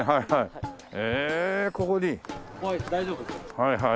はいはい。